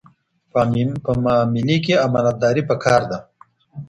په معاملې کي امانتداري پکار ده.